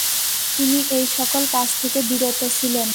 তিনি এইসকল কাজ থেকে বিরত ছিলেন।